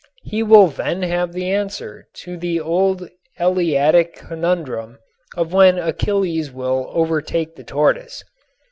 He will then have the answer to the old Eleatic conundrum of when Achilles will overtake the tortoise.